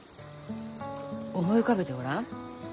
思い浮かべてごらん。